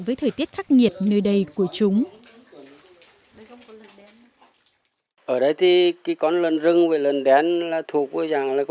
với thời tiết khắc nghiệt nơi đây của chúng